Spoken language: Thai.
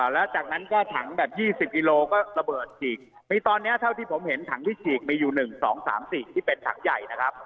แล้วจากนั้นก็ถังแบบ๒๐กิโลก็ระเบิดฉีกมีตอนนี้เท่าที่ผมเห็นถังที่ฉีกมีอยู่๑๒๓๔ที่เป็นถังใหญ่นะครับ